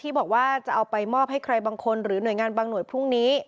บอกว่าจะเอาไปมอบให้ใครบางคนหรือหน่วยงานบางหน่วยพรุ่งนี้